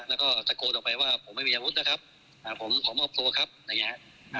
แล้วก็ตะโกนออกไปว่าผมไม่มีอาวุธนะครับผมอบโทครับอะไรอย่างนี้